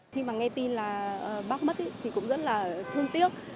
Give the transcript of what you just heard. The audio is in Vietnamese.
khi mà nghe tin là bác mất thì cũng rất là thương tiếc